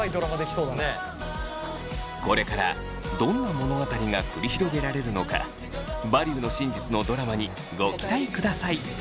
これからどんな物語が繰り広げられるのか「バリューの真実」のドラマにご期待ください。